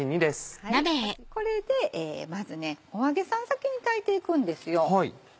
これでまずお揚げさん先に炊いていくんですよ。